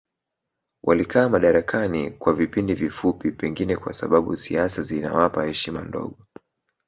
Walikaa madarakani kwa vipindi vifupi pengine kwa sababu siasa zinawapa heshima ndogo